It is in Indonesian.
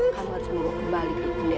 kamu harus membawa kembali gede ajaib itu dong